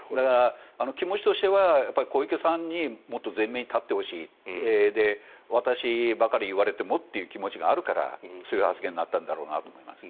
気持ちとしては、小池さんにもっと前面に立ってほしい私ばかり言われてもという気持ちがあるからそういう発言になったんだろうと思います。